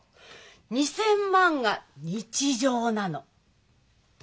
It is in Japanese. ２，０００万が日常なの。